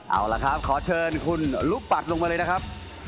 เอาละครับขอเชิญคุณลูกปัดลงมาเลยนะครับ